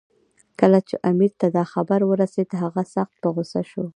کله چې امیر ته دا خبر ورسېد، هغه سخت په غوسه شو.